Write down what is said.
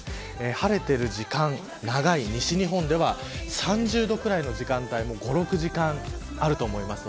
晴れている時間、長い西日本では３０度くらいの時間帯が５、６時間あると思います。